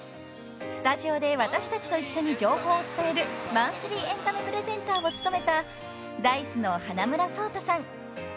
［スタジオで私たちと一緒に情報を伝えるマンスリーエンタメプレゼンターを務めた］